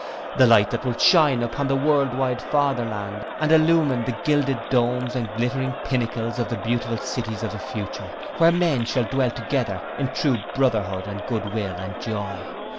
The light that will shine upon the world wide Fatherland and illumine the gilded domes and glittering pinnacles of the beautiful cities of the future, where men shall dwell together in true brotherhood and goodwill and joy.